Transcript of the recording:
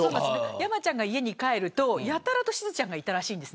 山ちゃんが家に帰るとやたらとしずちゃんがいたらしいです。